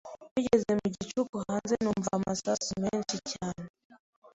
bigeze mugicuku hanze numva amasasu menshi cyane